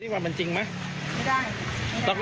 ไม่ล็อก